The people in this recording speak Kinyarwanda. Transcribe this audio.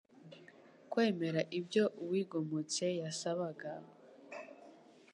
Kwemera ibyo uwigometse yasabaga,